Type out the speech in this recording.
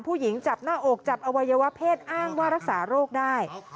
ผู้หญิงจับหน้าอกจับอวัยวะเพศอ้างว่ารักษาโรคได้